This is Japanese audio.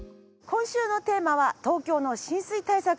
今週のテーマは東京の浸水対策。